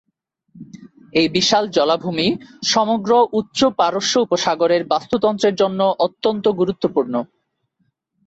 এই বিশাল জলাভূমি সমগ্র উচ্চ পারস্য উপসাগরের বাস্তুতন্ত্রের জন্য অত্যন্ত গুরুত্বপূর্ণ।